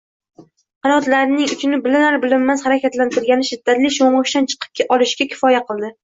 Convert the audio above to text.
qanotlarining uchini bilinar-bilinmas harakatlantirgani shiddatli sho‘ng‘ishdan chiqib olishiga kifoya qildi